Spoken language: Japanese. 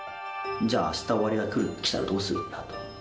じゃああした終わりが来たら、どうするんだと。